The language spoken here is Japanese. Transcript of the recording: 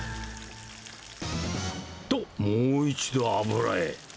と、もう一度、油へ。